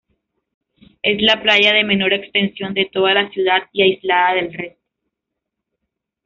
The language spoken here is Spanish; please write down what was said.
Es la playa de menor extensión de toda la ciudad, y aislada del resto.